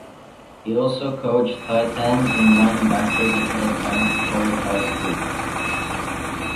He also coached tight ends and linebackers at Red Bank Catholic High School.